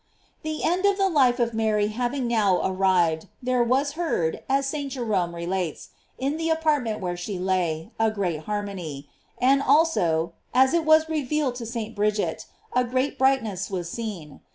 * The end of the life of Mary having now ar rived, there was heard, as St. Jerome relates, in the apartment where she lay, a great harmony; and also, as it was revealed to St. Bridget, a great brightness was seen.